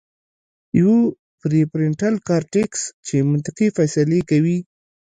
يوه پري فرنټل کارټيکس چې منطقي فېصلې کوي